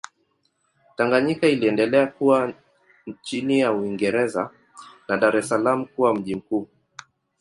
Tanganyika iliendelea kuwa chini ya Uingereza na Dar es Salaam kuwa mji mkuu.